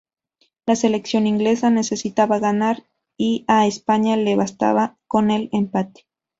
La selección inglesa necesitaba ganar y a España le bastaba con el empate.